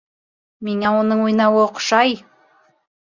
Миңә уның уйнауы оҡшай.